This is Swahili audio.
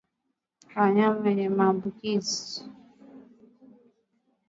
Wanyama wenye maambukizi